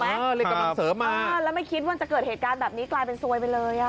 เรียกกำลังเสริมมาแล้วไม่คิดว่าจะเกิดเหตุการณ์แบบนี้กลายเป็นซวยไปเลยอ่ะ